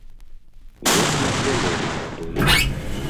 Ёсць і з зялёнай вадой.